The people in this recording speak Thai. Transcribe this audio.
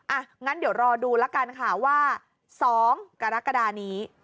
อ่ะงั้นเดี๋ยวรอดูแล้วกันค่ะว่า๒กรกฎานี้